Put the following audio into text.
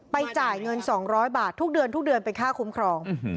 ไปจ่ายเงิน๒๐๐บาททุกเดือนเป็นค่าคุ้มครอง